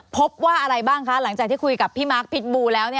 พบว่าอะไรบ้างคะหลังจากที่คุยกับพี่มาร์คพิษบูแล้ว